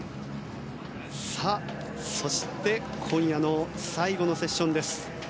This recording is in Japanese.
さあ、そして今夜の最後のセッションです。